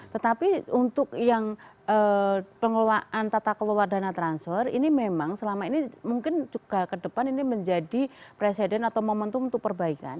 tetapi untuk yang pengelolaan tata kelola dana transfer ini memang selama ini mungkin juga ke depan ini menjadi presiden atau momentum untuk perbaikan